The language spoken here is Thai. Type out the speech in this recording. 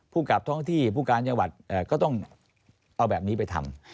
กลับท้องที่ผู้การจังหวัดก็ต้องเอาแบบนี้ไปทำ